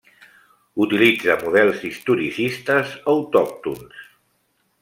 Utilitza models historicistes autòctons.